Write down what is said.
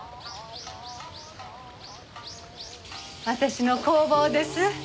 私の工房です。